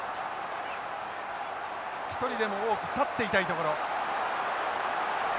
一人でも多く立っていたいところ。